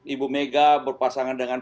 ibu mega berpasangan dengan